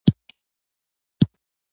خوب د بدن ریفریش کول دي